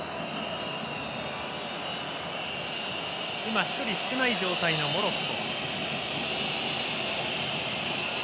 今、１人少ない状況のモロッコ。